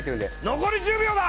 残り１０秒だ！